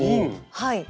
はい。